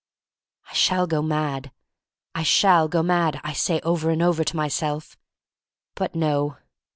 I shall go mad — I shall go mad, I say over and over to myself. But no.